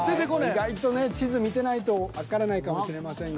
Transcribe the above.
意外とね地図見てないとわからないかもしれませんが。